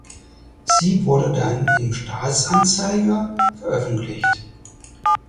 Sie wurde dann im Staatsanzeiger veröffentlicht.